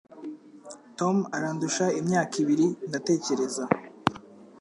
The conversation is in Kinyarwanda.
Tom arandusha imyaka ibiri, ndatekereza.